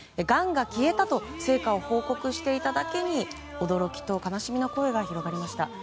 がんが消えたと成果を報告していただけに驚きと悲しみの声が広がりました。